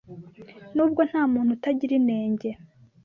Nubwo nta muntu utagira inenge,